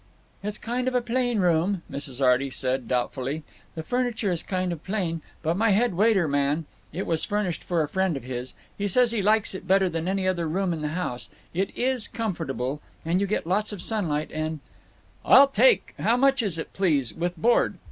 "It's kind of a plain room," Mrs. Arty said, doubtfully. "The furniture is kind of plain. But my head waiter man—it was furnished for a friend of his—he says he likes it better than any other room in the house. It is comfortable, and you get lots of sunlight and—" "I'll take—How much is it, please, with board?"